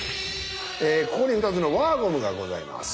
ここに２つの輪ゴムがございます。